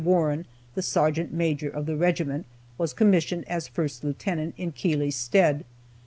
Warren, the sergeant major of the regiment, was commissioned as First Lieutenant in Keeley's stead.